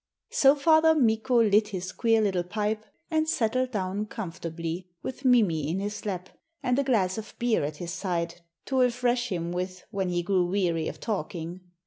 So Father Mikko lit his queer little pipe, and settled down comfortably with Mimi in his lap, and a glass of beer at his side to refresh himself with when he grew weary of talking.